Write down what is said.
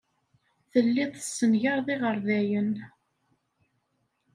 Telliḍ tessengareḍ iɣerdayen.